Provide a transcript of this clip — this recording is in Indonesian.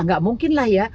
gak mungkin lah ya